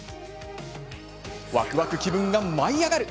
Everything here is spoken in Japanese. わくわく気分が舞い上がる！